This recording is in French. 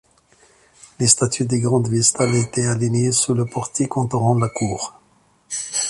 Les statues des Grandes Vestales étaient alignées sous le portique entourant la cour.